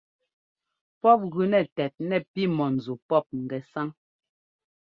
Pɔ́p gʉnɛ tɛt nɛ pi mɔ̂nzu pɔ́p ŋgɛsáŋ.